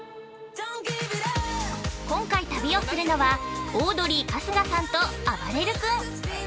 今回旅をするのはオードリー春日さんとあばれる君。